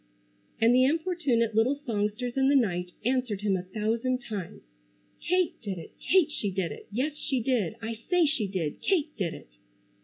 And the importunate little songsters in the night answered him a thousand times: "Kate did it! Kate she did it! Yes she did! I say she did. Kate did it!"